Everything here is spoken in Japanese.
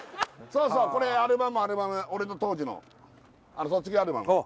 そうそうこれアルバムアルバム俺の当時の卒業アルバム